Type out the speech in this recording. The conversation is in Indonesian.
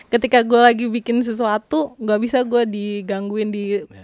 ketika gue lagi bikin sesuatu gak bisa gue digangguin di